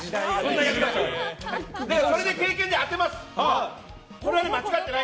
それの経験で当てます。